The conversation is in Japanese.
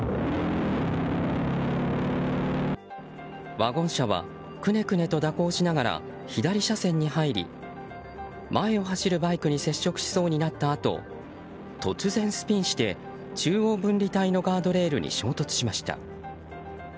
ワゴン車はくねくねと蛇行しながら左車線に入り前を走るバイクに接触しそうになったあと突然スピンして中央分離帯のガードレールに衝突しました。